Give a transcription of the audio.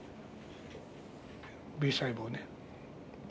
Ｂ細胞ね。